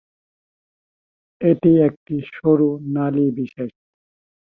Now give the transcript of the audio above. এটি একটি সরু নালী বিশেষ।